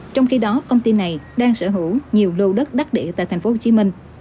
trong khi đó công ty này đang sở hữu nhiều lô đất đắt địa tại tp hcm